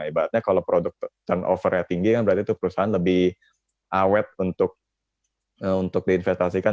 ibaratnya kalau produk turnover nya tinggi berarti perusahaan lebih awet untuk diinvestasikan